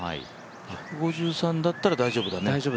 １５３だったら大丈夫だね。